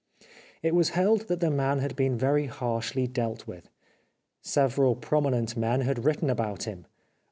It was held that the man had been very harshly dealt with. Several prominent men had written about him.